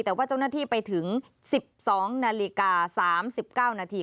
แต่ว่าเจ้าหน้าที่ไปถึง๑๒นาฬิกา๓๙นาที